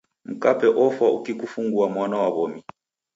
Mkape ofwa ukikufungua mwana wa w'omi.